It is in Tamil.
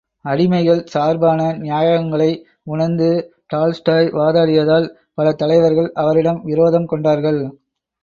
அடிமைகள் சார்பான நியாயங்களை உணர்ந்து டால்ஸ்டாய் வாதாடியதால் பல தலைவர்கள் அவரிடம் விரோதம் கொண்டார்கள்.